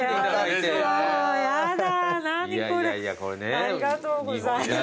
ありがとうございます。